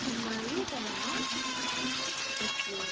言うたらなうち